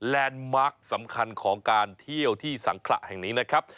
แลนด์มาร์คสำคัญของการเที่ยวที่สังขระแห่งนี้นะครับ